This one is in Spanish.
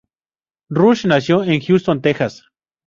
Rush nació en Houston, Texas.